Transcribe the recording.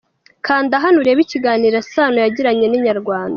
Kanda hano urebe ikiganiro Sano yagiranye na Inyarwanda.